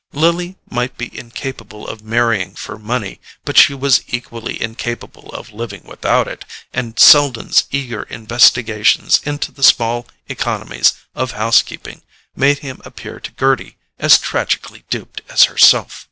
Lily might be incapable of marrying for money, but she was equally incapable of living without it, and Selden's eager investigations into the small economies of house keeping made him appear to Gerty as tragically duped as herself.